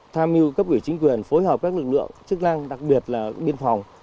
tham mưu cấp ủy chính quyền phối hợp các lực lượng chức năng đặc biệt là biên phòng